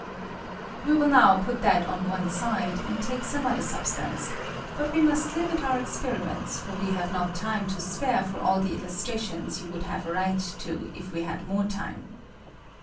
"We will now put that on one side, and take some other substance ; but we must limit our experiments, for we have not time to spare for all the iUustrationa you would have a right to if we had more tune.